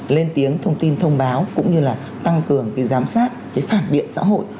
lên tiếng thông tin thông báo cũng như là tăng cường cái giám sát cái phản biện xã hội